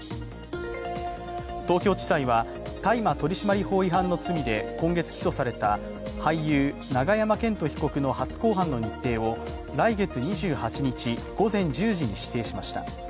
東京地裁は大麻取締法違反の罪で今月起訴された俳優・永山絢斗被告の初公判の日程を来月２８日午前１０時に指定しました。